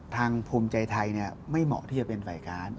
ภูมิใจไทยไม่เหมาะที่จะเป็นฝ่ายค้าน